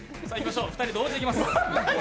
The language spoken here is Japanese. ２人同時にいきます。